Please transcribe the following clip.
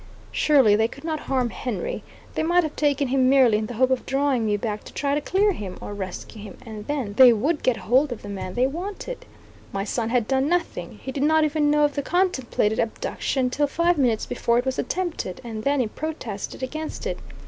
Surely they could not harm Henry. They might have taken him merely in the hope of drawing me back to try to clear him, or rescue him, and then they would get hold of the man they wanted. My son had done nothing. He did not even know of the contemplated abduction till five minutes before it was attempted, and then he protested against it.